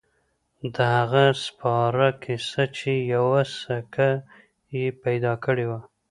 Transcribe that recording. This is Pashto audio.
د هغه سپاره کیسه چې یوه سکه يې پیدا کړې وه.